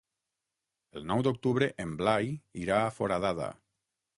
El nou d'octubre en Blai irà a Foradada.